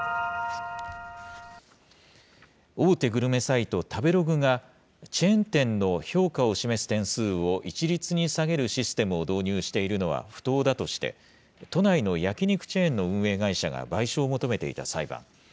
大手グルメサイト、食べログが、チェーン店の評価を示す点数を一律に下げるシステムを導入しているのは不当だとして、都内の焼き肉チェーンの運営会社が賠償を求めていた裁判。